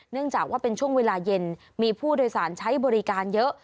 เนื่องจากว่าเป็นช่วงเวลาเย็นมีผู้โดยสารใช้บริการเยอะ